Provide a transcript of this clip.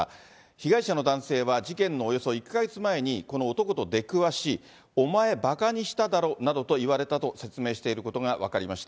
被害者の男性は事件のおよそ１か月前に、この男と出くわし、お前、ばかにしただろなどと言われたと説明していることが分かりました。